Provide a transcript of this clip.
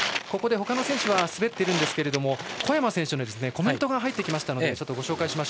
ここでほかの選手が滑っているんですが小山選手のコメントが入ってきました。